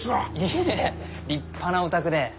いえ立派なお宅で。